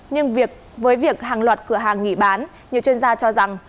nhưng việc với việc hàng loạt cửa hàng nghỉ bán nhiều chuyên gia cho rằng